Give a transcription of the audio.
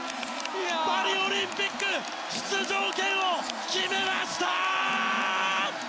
パリオリンピック出場権を決めました！